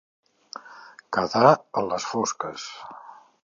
Quedar a les fosques.